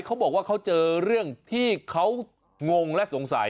เขาบอกว่าเขาเจอเรื่องที่เขางงและสงสัย